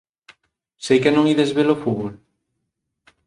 _¿Seica non ides ve-lo fútbol?